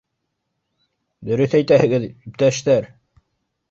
— Дөрөҫ әйтәһегеҙ, иптәштәр.